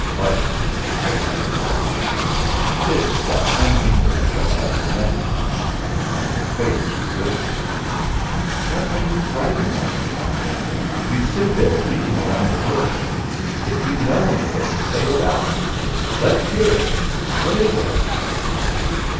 "White!" said Abner. Dix got some inkling of what Abner meant now, and his face grew livid. "What are you driving at?" he cried. "You sit here beating around the bush. If you know anything, say it out; let's hear it. What is it?"